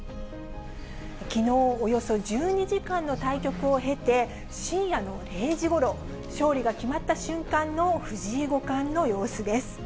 きのう、およそ１２時間の対局を経て、深夜の０時ごろ、勝利が決まった瞬間の藤井五冠の様子です。